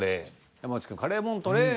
山内くん「カレーモントレー」。